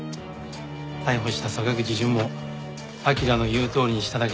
逮捕した坂口淳も「彬の言うとおりにしただけ。